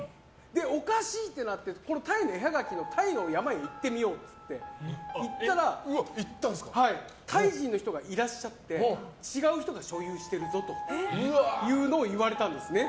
おかしい！ってなって絵はがきのタイの山へ行ってみようって行ったらタイ人の人がいらっしゃって違う人が所有しているぞと言われたんですね。